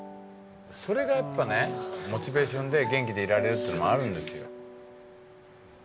それがやっぱねモチベーションで元気でいられるってのもあるんですよ。